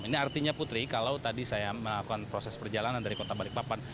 ini artinya putri kalau tadi saya melakukan proses perjalanan dari kota balikpapan